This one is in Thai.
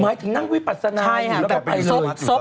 หมายถึงนั่งวิปัสนาอยู่แล้วแบบเป็นวิปัสอยู่ตลอด